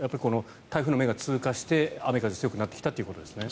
台風の目が通過して雨風強くなってきたということですよね。